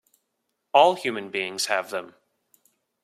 All human beings have them.